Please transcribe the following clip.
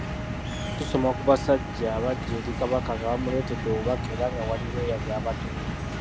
Tusoma ku basajja abajja eri kabaka nga bamuleetedde obubaka era nga waaliwo eyali abatumye.